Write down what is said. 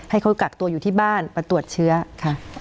ให้เขากักตัวอยู่ที่บ้านมาตรวจเชื้อค่ะ